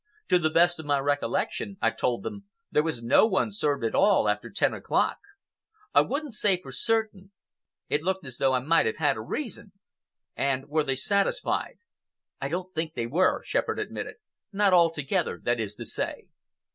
To the best of my recollection, I told them, there was no one served at all after ten o'clock. I wouldn't say for certain—it looked as though I might have had a reason." "And were they satisfied?" "I don't think they were," Shepherd admitted. "Not altogether, that is to say."